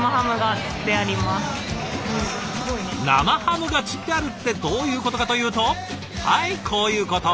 生ハムがつってあるってどういうことかというとはいこういうこと！